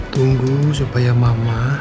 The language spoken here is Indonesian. tunggu supaya mama